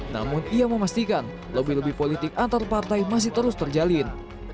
namun ia memastikan lobby lobby politik antar partai masih terus terjalin